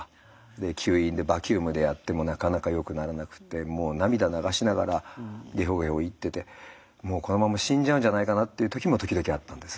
吸引でバキュームでやってもなかなかよくならなくて涙流しながらゲホゲホ言っててもうこのまま死んじゃうんじゃないかなっていう時も時々あったんです。